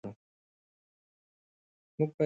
موږ باید قانوني لارې وکاروو.